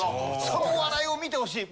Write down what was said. その笑いを見てほしい。